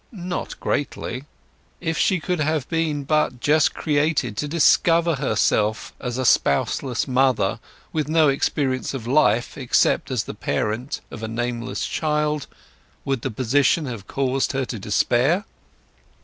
Not greatly. If she could have been but just created, to discover herself as a spouseless mother, with no experience of life except as the parent of a nameless child, would the position have caused her to despair?